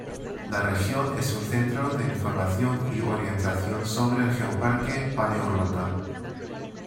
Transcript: La región es un centro de información y orientación sobre el geoparque Paleorrota.